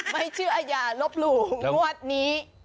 ไม่เชื่ออย่าลบหลู่งวดนี้